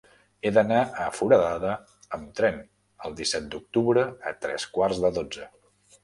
He d'anar a Foradada amb tren el disset d'octubre a tres quarts de dotze.